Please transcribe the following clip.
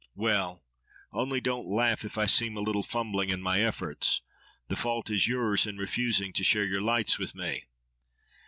—Well!—only don't laugh if I seem a little fumbling in my efforts. The fault is yours, in refusing to share your lights with me.